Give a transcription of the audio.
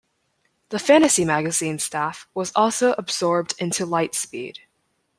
The "Fantasy Magazine" staff was also absorbed into "Lightspeed".